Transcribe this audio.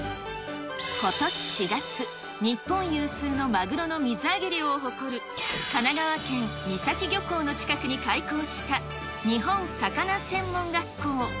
ことし４月、日本有数のマグロの水揚げ量を誇る、神奈川県三崎漁港の近くに開校した、日本さかな専門学校。